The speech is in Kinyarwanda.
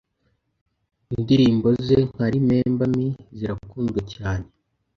indirimbo ze nka Remember me zrakunzwe cyane